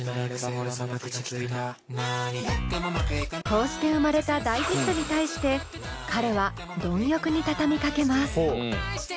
こうして生まれた大ヒットに対して彼は貪欲に畳みかけます。